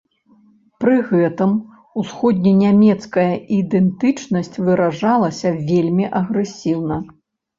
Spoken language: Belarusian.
Пры гэтым усходненямецкая ідэнтычнасць выражалася вельмі агрэсіўна.